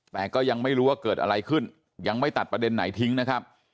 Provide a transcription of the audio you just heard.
แต่ก็ยังไม่รู้ว่าเกิดอะไรขึ้นยังไม่ตัดประเด็นไหนทิ้งนะครับ